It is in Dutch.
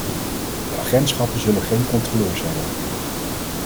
De agentschappen zullen geen controleurs hebben.